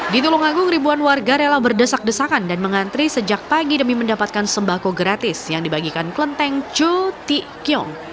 di tulungagung ribuan warga rela berdesak desakan dan mengantri sejak pagi demi mendapatkan sembako gratis yang dibagikan klenteng cuti kiong